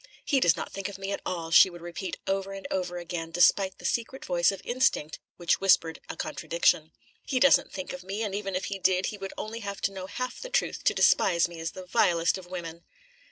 "He does not think of me at all," she would repeat over and over again, despite the secret voice of instinct which whispered a contradiction. "He doesn't think of me; and even if he did, he would only have to know half the truth to despise me as the vilest of women."